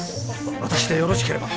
私でよろしければ。